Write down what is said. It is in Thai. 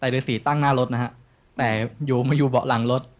ฤษีตั้งหน้ารถนะครับแต่อยู่เบาะหลังรถ